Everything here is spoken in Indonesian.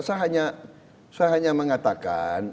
saya hanya mengatakan